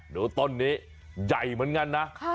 ดูต้นนี้ใหญ่เหมือนกันนะ